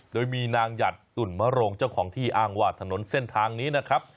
โดยมีนางหยัดตุ่นมโรงเจ้าของที่อ้างว่าถนนเส้นทางนี้นะครับ